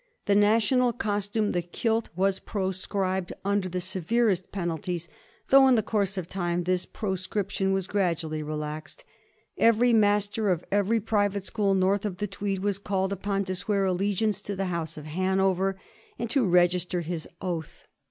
The national costume, the kilt, was proscribed under the so yerest penalties, though in the course of time this pro* Bcription was gradually relaxed. Every master of every private school north of the Tweed was called upon to swear allegiance to the House of Hanover, and to register his oath.